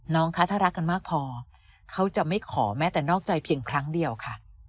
คะถ้ารักกันมากพอเขาจะไม่ขอแม้แต่นอกใจเพียงครั้งเดียวค่ะ